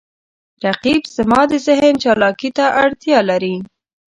رقیب زما د ذهن چالاکي ته اړتیا لري